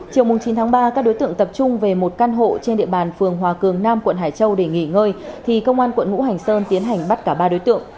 chiều chín tháng ba các đối tượng tập trung về một căn hộ trên địa bàn phường hòa cường nam quận hải châu để nghỉ ngơi thì công an quận ngũ hành sơn tiến hành bắt cả ba đối tượng